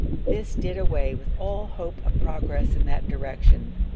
This did away with all hope of progress in that direction.